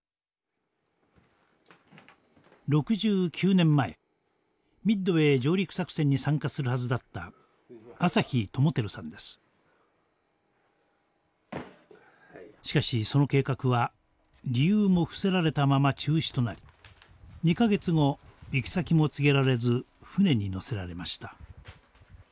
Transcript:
６９年前ミッドウェー上陸作戦に参加するはずだったしかしその計画は理由も伏せられたまま中止となり２か月後行き先も告げられず船に乗せられました。